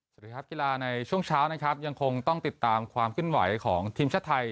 สวัสดีครับกีฬาในช่วงเช้านะครับยังคงต้องติดตามความขึ้นไหวของทีมชาติไทย